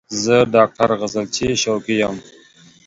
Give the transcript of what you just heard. زه ډاکټر غزلچی شوقی یم